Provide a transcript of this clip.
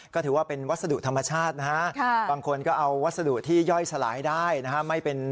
ก็ถือว่าเป็นวัสดุธรรมชาตินะฮะบางคนก็เอาวัสดุที่ย่อยสลายได้นะฮะ